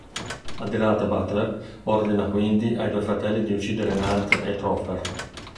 Adirato, Butler ordina, quindi, ai due fratelli di uccidere Nate e Topher.